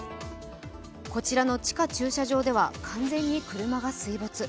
こちらの地下駐車場では完全に車が水没。